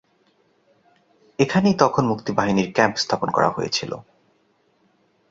এখানেই তখন মুক্তিবাহিনীর ক্যাম্প স্থাপন করা হয়েছিল।